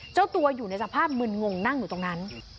เจ้าตัวอยู่ในสภาพมึนงงนั่งอยู่ตรงนั้น